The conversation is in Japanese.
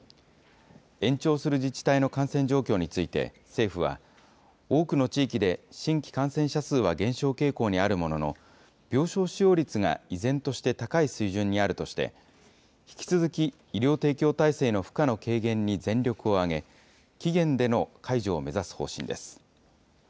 延長する自治体の感染状況について政府は、多くの地域で新規感染者数は減少傾向にあるものの、病床使用率が依然として高い水準にあるとして、引き続き医療提供体制の負荷の軽減に全力を挙げ、期限での解除を目指す方針です。